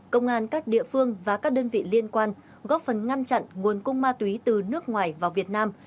công an các địa phương và các đơn vị liên quan góp phần ngăn chặn nguồn cung ma túy từ nước ngoài vào việt nam